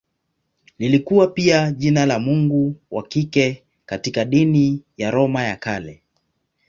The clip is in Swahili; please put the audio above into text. Lilikuwa pia jina la mungu wa kike katika dini ya Roma ya Kale.